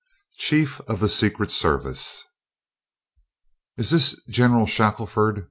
CHIEF OF THE SECRET SERVICE. "Is this General Shackelford?"